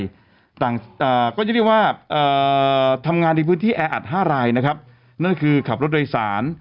คือชาวต่างอ่าก็จะว่าเอ่อทำงานในพื้นที่แออาทห้ารายนะครับนั่นคือขับรถเรศาน